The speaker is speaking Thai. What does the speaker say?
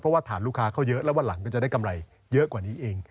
เพราะว่าฐานลูกค้าเขาเยอะแล้ววันหลังก็จะได้กำไรเยอะกว่านี้เอง